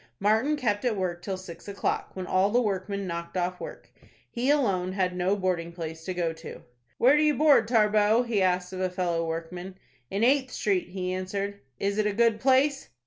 Martin kept at work till six o'clock, when all the workmen knocked off work. He alone had no boarding place to go to. "Where do you board, Tarbox?" he asked of a fellow workman. "In Eighth Street," he answered. "Is it a good place?"